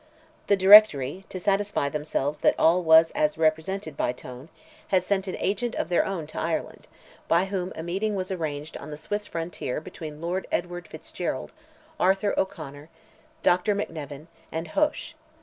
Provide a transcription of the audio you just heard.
The Directory, to satisfy themselves that all was as represented by Tone, had sent an agent of their own to Ireland, by whom a meeting was arranged on the Swiss frontier between Lord Edward Fitzgerald, Arthur O'Conor, Dr. McNevin, and Hoche.